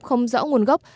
không rõ nguồn gốc